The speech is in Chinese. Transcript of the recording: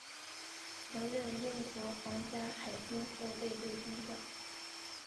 曾任英国皇家海军后备队中校。